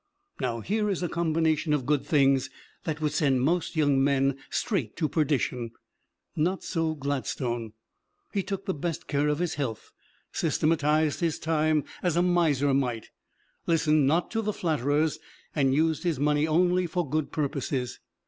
Now, here is a combination of good things that would send most young men straight to perdition not so Gladstone. He took the best care of his health, systematized his time as a miser might, listened not to the flatterers, and used his money only for good purposes.